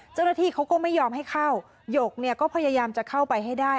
เจ้าหน้าที่เขาก็ไม่ยอมให้เข้าหยกเนี่ยก็พยายามจะเข้าไปให้ได้